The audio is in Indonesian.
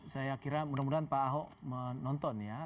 saya kira mudah mudahan pak ahok menonton ya